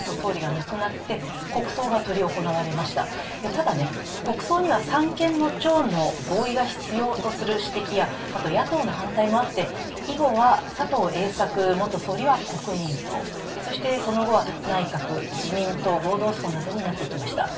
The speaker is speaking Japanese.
ただ、国葬には三権の長の合意が必要とする指摘や、あと野党の反対もあって以後は佐藤栄作元総理は国民葬、そしてその後は内閣・自民党合同葬などになっていきました。